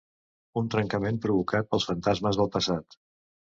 Un trencament provocat pels fantasmes del passat.